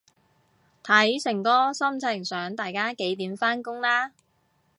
睇誠哥心情想大家幾點返工啦